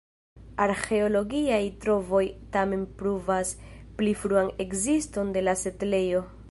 Arĥeologiaj trovoj tamen pruvas pli fruan ekziston de la setlejo.